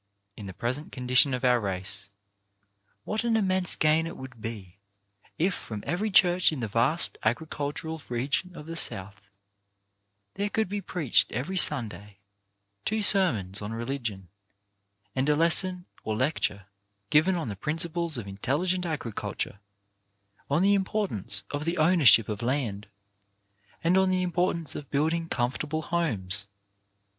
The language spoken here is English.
" In the present condition of our race, what an immense gain it would be if from every church in the vast agricultural region of the South there could be preached every Sunday two sermons on religion, and a lesson or lecture given on the principles of intelligent agriculture, on the im portance of the ownership of land, and on the 264 CHARACTER BUILDING importance of building comfortable homes.